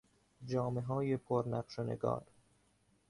جامههای پر نقش و نگار